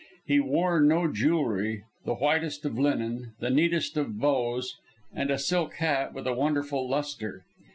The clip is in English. He wore no jewellery, the whitest of linen, the neatest of bows, and a silk hat with a wonderful lustre.